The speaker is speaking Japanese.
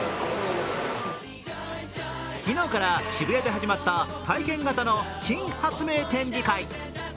昨日から渋谷で始まった体験型の珍発明展示会。